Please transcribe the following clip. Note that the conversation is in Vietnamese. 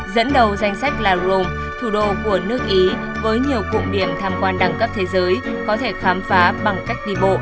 dẫn đầu danh sách la rome thủ đô của nước ý với nhiều cụm điểm tham quan đẳng cấp thế giới có thể khám phá bằng cách đi bộ